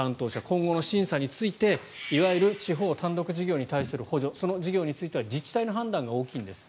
今後の審査について、いわゆる地方単独事業に対する補助その事業については自治体の判断が大きいんです。